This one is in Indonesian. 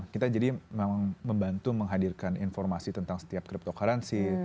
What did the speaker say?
kita jadi memang membantu menghadirkan informasi tentang setiap cryptocurrency